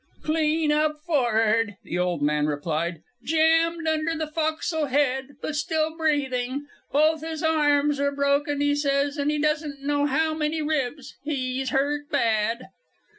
"Clean up for'ard," the old man replied. "Jammed under the fo'c'sle head, but still breathing. Both his arms are broken, he says, and he doesn't know how many ribs. He's hurt bad."